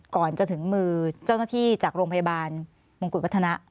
ก่อนจะถึงมือเจ้าหน้าที่จากโรงพยาบาลมงกุฎวัฒนะ